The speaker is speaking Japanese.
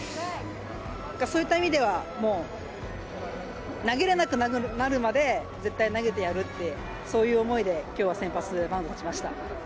そういった意味では、もう投げれなくなるまで、絶対投げてやるって、そういう思いできょうは先発マウンド立ちました。